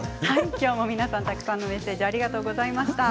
きょうもたくさんのメッセージありがとうございました。